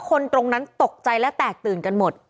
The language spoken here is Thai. คนตรงนั้นตกใจและแตกตื่นกันหมด